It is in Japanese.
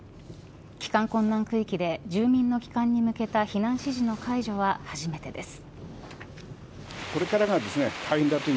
帰還困難区域で住民の帰還に向けた避難指示の解除は初めてです。